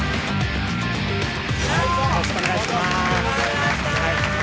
よろしくお願いします